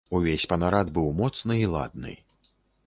Увесь панарад быў моцны і ладны.